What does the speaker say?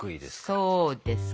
そうです。